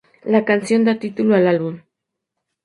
La canción da título al álbum.